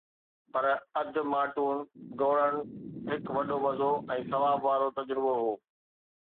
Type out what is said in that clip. پر اڌ مارٿون ڊوڙڻ هڪ وڏو مزو ۽ ثواب وارو تجربو هو